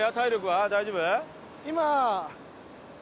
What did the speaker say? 今。